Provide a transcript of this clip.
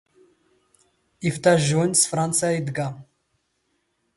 ⵉⴼⵜⴰ ⵊⵓⵏ ⵙ ⴼⵕⴰⵏⵙⴰ ⵉⴹⴳⴰⵎ.